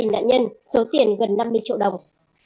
nạn nhân số tiền gần năm mươi triệu đồng